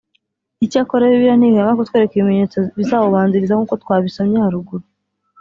icyakora Bibiliya ntihwema kutwereka ibimenyetso bizawubanziriza nkuko twabisomye haruguru